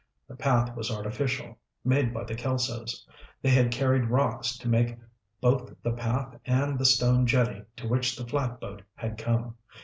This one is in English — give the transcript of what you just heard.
The path was artificial, made by the Kelsos. They had carried rocks to make both the path and the stone jetty to which the flatboat had come.